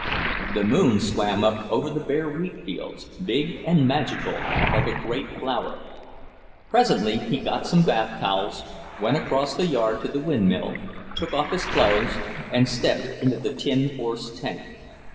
The moon swam up over the bare wheat fields, big and magical, like a great flower. Presently he got some bath towels, went across the yard to the windmill, took off his clothes, and stepped into the tin horse tank.